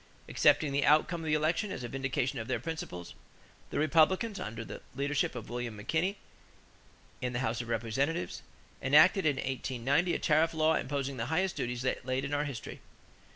Accepting the outcome of the election as a vindication of their principles, the Republicans, under the leadership of William McKinley in the House of Representatives, enacted in 1890 a tariff law imposing the highest duties yet laid in our history.